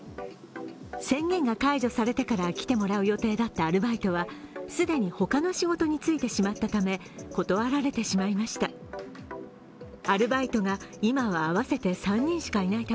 宣言が解除されてから来てもらう予定だったアルバイトは既にほかの仕事に就いてしまったため断られてしまいました。